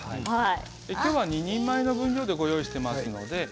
今日は２人前の分量で用意してます。